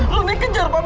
lu nih kejar pak